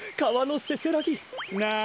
なあ！